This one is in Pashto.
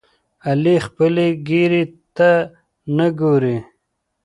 علي خپلې ګیرې ته نه ګوري.